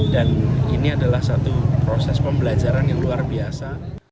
dan ini adalah satu proses pembelajaran yang luar biasa